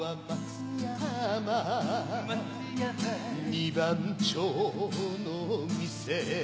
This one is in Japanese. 二番町の店